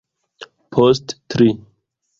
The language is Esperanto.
Post tri...